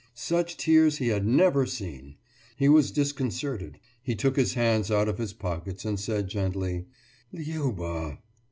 Such tears he had never seen! He was disconcerted. He took his hands out of his pockets, and said gently: »Liuba!